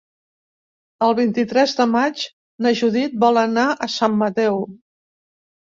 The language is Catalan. El vint-i-tres de maig na Judit vol anar a Sant Mateu.